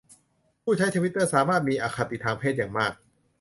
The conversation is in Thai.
ผู้ใช้ทวิตเตอร์สามารถมีอคติทางเพศอย่างมาก